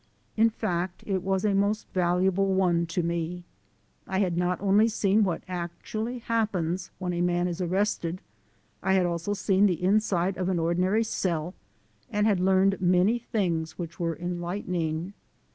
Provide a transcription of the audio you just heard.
In fact, it was a most valuable one to me. I had not only seen what actually happens when a man is arrested, I had also seen the inside of an ordinary cell and had learned many things which were enlightening.